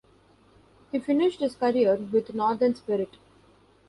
He finished his career with Northern Spirit.